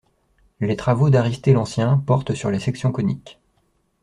Les travaux d'Aristée l'ancien portent sur les sections coniques.